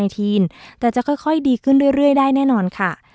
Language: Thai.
แต่จะค่อยดีขึ้นเรื่อยได้แน่นอนค่ะ